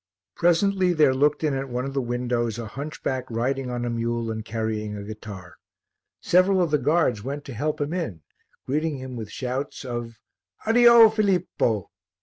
Presently there looked in at one of the windows a hunchback riding on a mule and carrying a guitar. Several of the guards went to help him in, greeting him with shouts of "Addio, Filippo!"